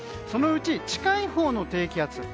そのうち近いほうの低気圧